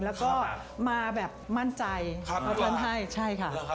แล้วก็มาแบบมั่นใจมาเพื่อนให้ใช่ค่ะ